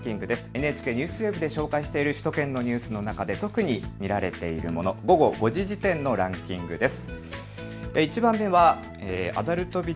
ＮＨＫＮＥＷＳＷＥＢで紹介している首都圏のニュースの中で特に見られているもの、午後５時時点のランキングです。